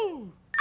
あ！